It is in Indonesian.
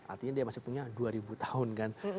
artinya dia masih punya dua ribu tahun kan